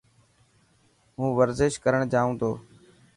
هون ورزش ڪرڻ جائون تو.